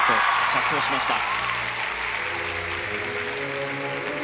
着氷しました。